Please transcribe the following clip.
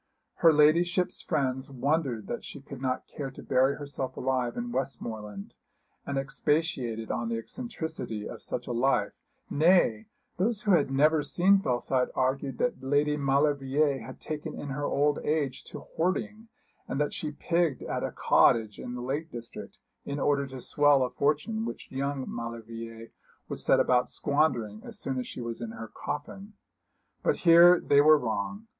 Her ladyship's friends wondered that she could care to bury herself alive in Westmoreland, and expatiated on the eccentricity of such a life; nay, those who had never seen Fellside argued that Lady Maulevrier had taken in her old age to hoarding, and that she pigged at a cottage in the Lake district, in order to swell a fortune which young Maulevrier would set about squandering as soon as she was in her coffin. But here they were wrong.